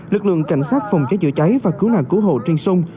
lực lượng cảnh sát phòng cháy chữa cháy và cứu nạn cứu hộ trên sông